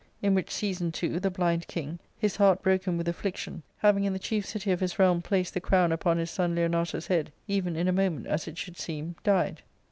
In which season, too, the blind king, his heart broken with affliction, having in the chief city of his realm placed the crown upon his son Leonatus' head, even in a moment, as it should seem, died.